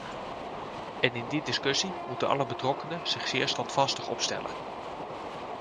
En in die discussie moeten alle betrokkenen zich zeer standvastig opstellen.